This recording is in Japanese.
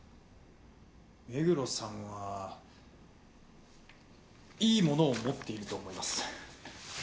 目黒さんはいいものを持っていると思います。